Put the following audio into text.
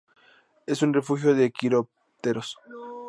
Es un refugio de quirópteros.